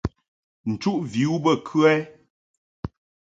Nchuʼ vi u bə kə ɛ ?